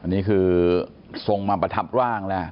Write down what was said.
นี่คือทรงมาประทับร่างแล้ว